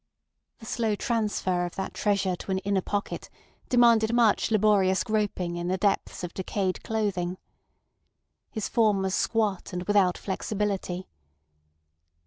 The slow transfer of that treasure to an inner pocket demanded much laborious groping in the depths of decayed clothing. His form was squat and without flexibility.